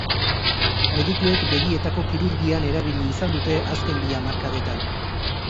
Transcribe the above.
Medikuek begietako kirurgian erabili izan dute azken bi hamarkadetan.